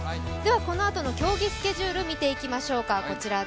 このあとの競技スケジュール、見ていきましょう。